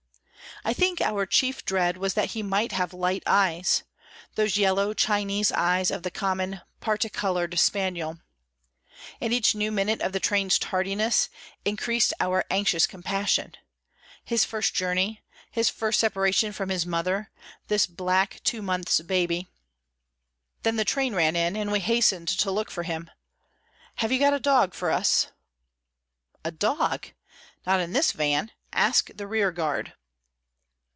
I think our chief dread was that he might have light eyes—those yellow Chinese eyes of the common, parti coloured spaniel. And each new minute of the train's tardiness increased our anxious compassion: His first journey; his first separation from his mother; this black two months' baby! Then the train ran in, and we hastened to look for him. "Have you a dog for us?" "A dog! Not in this van. Ask the rearguard."